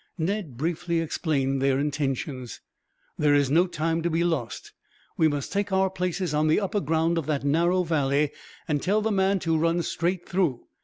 Ned briefly explained their intentions. "There is no time to be lost. We must take our places on the upper ground of that narrow valley, and tell the man to run straight through.